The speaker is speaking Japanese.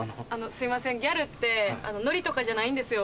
すいませんギャルってノリとかじゃないですよ。